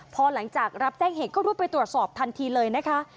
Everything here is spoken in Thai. พอหลังจากรับแจ้งเหตุก็รุดไปตรวจสอบทันทีเลยนะคะ